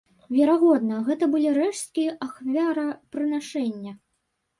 Верагодна, гэта былі рэшткі ахвярапрынашэння.